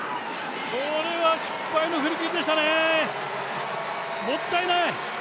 これは失敗の振り切りでしたね、もったいない！